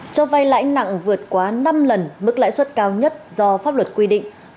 cho vay lãi nặng vượt quá năm lần mức lãi suất cao nhất do pháp luật quy định